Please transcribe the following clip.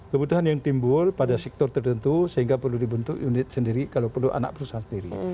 kebutuhan yang timbul pada sektor tertentu sehingga perlu dibentuk unit sendiri kalau perlu anak perusahaan sendiri